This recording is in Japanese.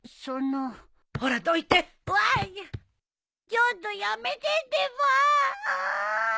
ちょっとやめてってばああ。